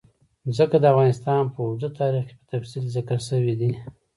ځمکه د افغانستان په اوږده تاریخ کې په تفصیل ذکر شوی دی.